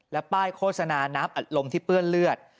และป้ายโฆษณาน้ำอัดลมที่เปื้อนเลือด